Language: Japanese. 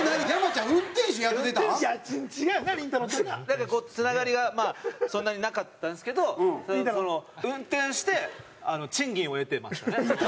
なんかこうつながりがそんなになかったんですけど運転して賃金を得てましたね。